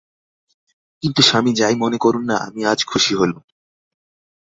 কিন্তু স্বামী যাই মনে করুন-না আমি আজ খুশি হলুম।